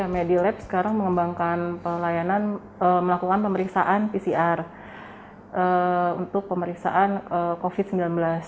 medilab sekarang mengembangkan pelayanan melakukan pemeriksaan pcr untuk pemeriksaan covid sembilan belas